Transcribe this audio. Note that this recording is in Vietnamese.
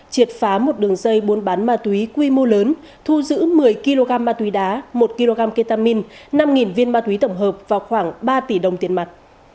triệt phá một đường dây buôn bán ma túy quy mô lớn thu giữ một mươi kg ma túy đá một kg ketamine năm viên ma túy tổng hợp và khoảng ba tỷ đồng tiền mặt